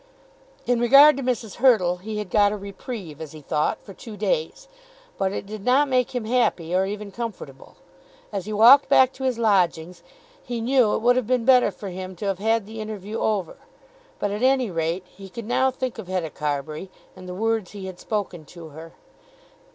In regard to Mrs. Hurtle he had got a reprieve, as he thought, for two days; but it did not make him happy or even comfortable. As he walked back to his lodgings he knew it would have been better for him to have had the interview over. But, at any rate, he could now think of Hetta Carbury, and the words he had spoken to her.